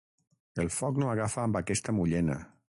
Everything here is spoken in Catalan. El foc no agafa amb aquesta mullena.